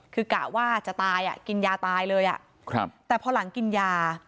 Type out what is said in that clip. คือกะว่าจะตายอ่ะกินยาตายเลยแต่พอหลังกินยา